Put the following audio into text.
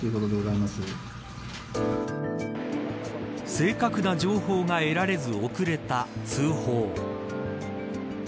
正確な情報が得られず遅れた通報。